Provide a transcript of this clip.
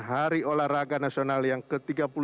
hari olahraga nasional yang ke tiga puluh dua